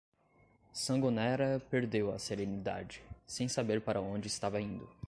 Sangonera perdeu a serenidade, sem saber para onde estava indo.